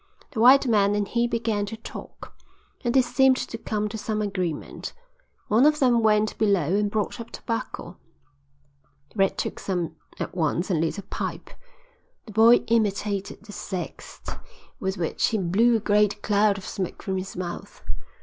The white man and he began to talk, and they seemed to come to some agreement. One of them went below and brought up tobacco. Red took some at once and lit a pipe. The boy imitated the zest with which he blew a great cloud of smoke from his mouth.